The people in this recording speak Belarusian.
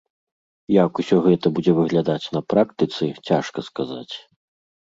Як усё гэта будзе выглядаць на практыцы, цяжка сказаць.